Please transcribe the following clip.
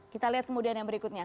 kita lihat kemudian yang berikutnya